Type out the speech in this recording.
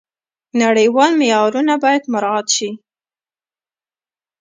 نړیوال معیارونه باید مراعات شي.